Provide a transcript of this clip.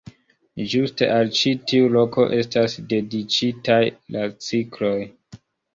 Ĝuste al ĉi tiu loko estas dediĉitaj la cikloj.